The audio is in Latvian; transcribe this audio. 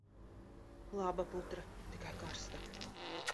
Laba putra, tikai karsta...